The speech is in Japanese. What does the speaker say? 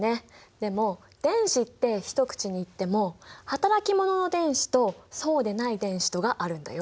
でも電子って一口に言っても働き者の電子とそうでない電子とがあるんだよ。